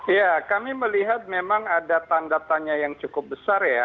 ya kami melihat memang ada tanda tanya yang cukup besar ya